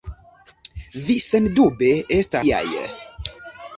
Vi sendube estas tiaj.